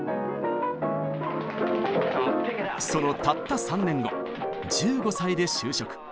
そのたった３年後１５歳で就職。